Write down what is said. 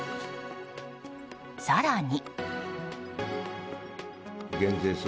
更に。